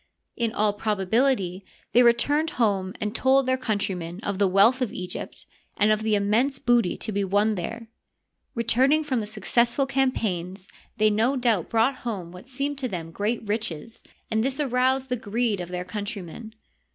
In all probability they returned home and told their coun trymen of the wealth of Egypt and of the immense booty to be won there. Returning from successful campaigns they no doubt brought home what seemed to them great riches, and this aroused the greed of their countrymen.